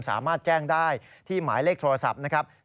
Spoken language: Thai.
สามารถแจ้งได้ที่หมายเลขโทรศัพท์๐๔๕๓๒๑๒๑๕